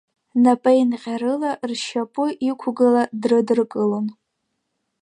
Напеинҟьарыла, ршьапы иқә-гыла дрыдыркылон.